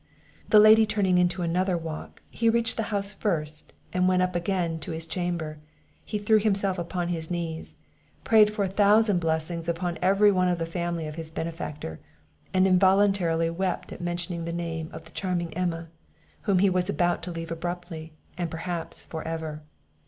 The lady turning into another walk, he reached the house first, and went up again to his chamber; he threw himself upon his knees; prayed for a thousand blessings upon every one of the family of his benefactor, and involuntarily wept at mentioning the name of the charming Emma, whom he was about to leave abruptly, and perhaps for ever.